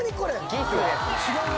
ギスですね。